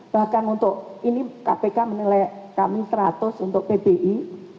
bahkan untuk ini kpk menilai kami seratus untuk pbi